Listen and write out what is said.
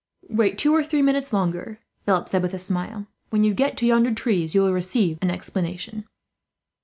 "Wait two or three minutes longer," Philip said, with a smile. "When you get to yonder trees, you will receive an explanation."